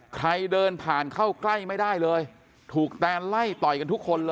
ใครเดินผ่านเข้าใกล้ไม่ได้เลยถูกแตนไล่ต่อยกันทุกคนเลย